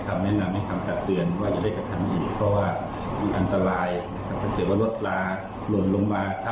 ที่ทำให้เกิดปัญหาที่เกิดพรุ่งมา